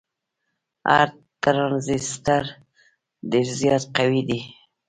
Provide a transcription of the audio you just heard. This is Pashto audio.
هر ټرانزیسټر ډیر زیات قوي دی.